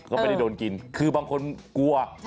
ก็ไม่ได้โดนกินคือบางคนกลัว